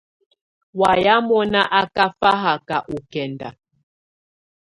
Wayɛ̀á mɔ́ná á ká faháka ɔ kɛnda.